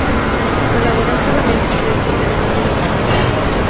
Colaboró solamente al principio de la primera temporada.